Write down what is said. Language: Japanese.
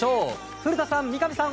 古田さん、三上さん